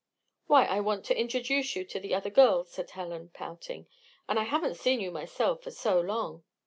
"Why, I want to introduce you to the other girls," said Helen, pouting. "And I haven't seen you myself for so long."